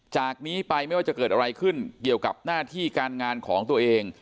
จากนี้ไปไม่ว่าจะเกิดอะไรขึ้นเกี่ยวกับหน้าที่การงานของตัวเอง